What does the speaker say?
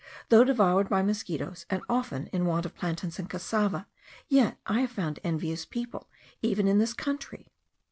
Though devoured by mosquitos, and often in want of plantains and cassava, yet I have found envious people even in this country!